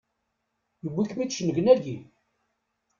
Yewwi-kem-id cennegnagi!